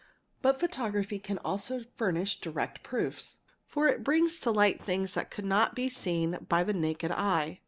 But photography can also furnish direct proofs, for it brings to light things which could not be seen by the naked eye.